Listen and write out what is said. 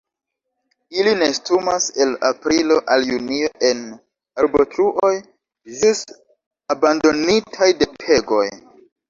Ili nestumas el aprilo al julio en arbotruoj ĵus abandonitaj de pegoj.